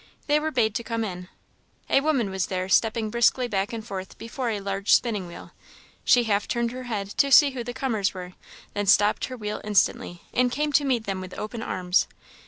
They were bade to come in. A woman was there stepping briskly back and forth before a large spinning wheel. She half turned her head to see who the comers were, then stopped her wheel instantly, and came to meet them with open arms.